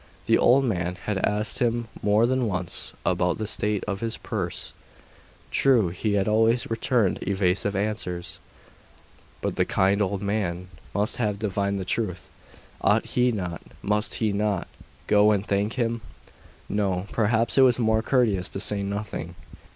The old man had asked him more than once about the state of his purse. True, he had always returned evasive answers; but the kind old man must have divined the truth. Ought he not must he not go and thank him? No; perhaps it was more courteous to say nothing.